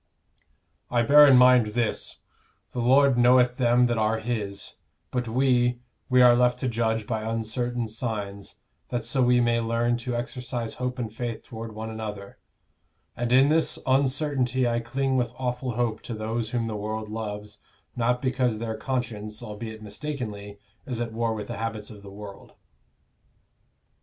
"I bear in mind this: the Lord knoweth them that are His; but we we are left to judge by uncertain signs, that so we may learn to exercise hope and faith toward one another; and in this uncertainty I cling with awful hope to those whom the world loves not because their conscience, albeit mistakenly, is at war with the habits of the world.